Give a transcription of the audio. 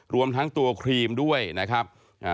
รวมทั้งตัวครีมด้วยนะครับ